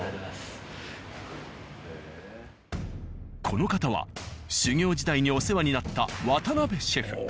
この方は修業時代にお世話になった渡邉シェフ。